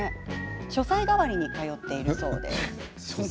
書斎代わりに通っているそうです。